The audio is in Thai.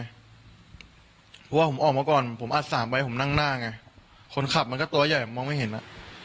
เพราะว่าผมออกมาก่อนผมอัดสามไว้ผมนั่งหน้าไงคนขับมันก็ตัวใหญ่มองไม่เห็นอ่ะ